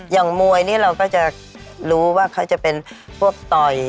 อย่างมวยละก็จะรู้ว่าเขาจะเป็นพวกต่อ